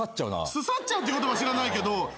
すさっちゃうっていう言葉知らないけど。